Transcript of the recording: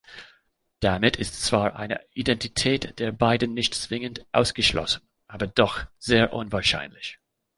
Damit ist zwar eine Identität der beiden nicht zwingend ausgeschlossen, aber doch sehr unwahrscheinlich.